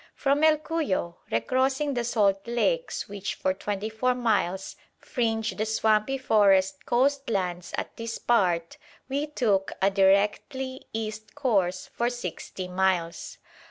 From El Cuyo, recrossing the salt lakes which for twenty four miles fringe the swampy forest coast lands at this part, we took a directly east course for sixty miles.